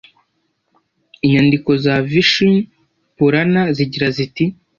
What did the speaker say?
Inyandiko za Vishnu Purana zigira ziti